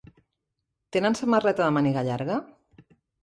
Tenen samarreta de màniga llarga?